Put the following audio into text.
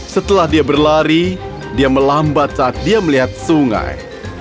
setelah dia berlari dia melambat saat dia melihat sungai